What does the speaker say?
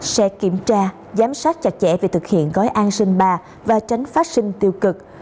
sẽ kiểm tra giám sát chặt chẽ việc thực hiện gói an sinh ba và tránh phát sinh tiêu cực